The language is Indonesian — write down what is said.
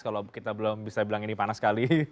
kalau kita belum bisa bilang ini panas sekali